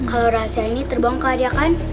kalau rahasia ini terbongkar dia kan